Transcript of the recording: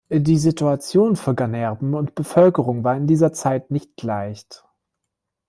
Die Situation für Ganerben und Bevölkerung war in dieser Zeit nicht leicht.